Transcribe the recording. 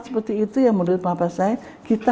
seperti itu ya menurut papa saya kita